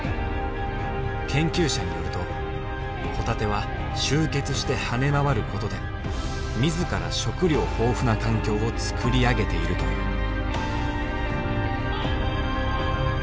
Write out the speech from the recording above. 研究者によるとホタテは集結して跳ね回ることで自ら食料豊富な環境をつくり上げているという。